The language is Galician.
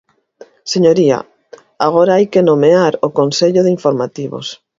Señoría, agora hai que nomear o Consello de Informativos.